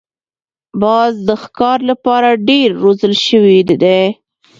باز د ښکار لپاره ډېر روزل شوی دی